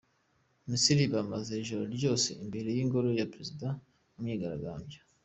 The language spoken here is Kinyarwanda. Misiri Bamaze ijoro ryose imbere y’ingoro ya perezida mu myigaragambyo